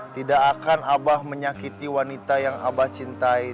tidak akan abah menyakiti wanita yang abah cintai